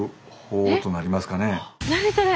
何それ！？